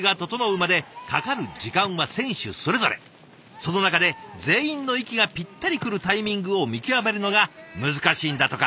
その中で全員の息がぴったりくるタイミングを見極めるのが難しいんだとか。